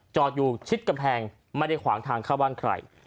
จอดอยู่ชิดกำแพงไม่ได้ขวางทางเข้าบ้านใคร